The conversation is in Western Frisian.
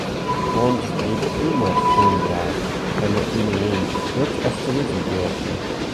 Oant dy tumor fûn waard, en er ynienen hurd efterútbuorke.